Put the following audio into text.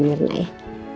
budi gak usah sedih